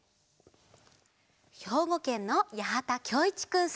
ひょうごけんのやはたきょういちくん３さいから。